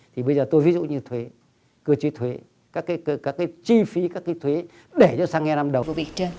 thì bây giờ tôi ví dụ như thuế cơ chí thuế các cái chi phí các cái thuế để cho xăng e năm đầu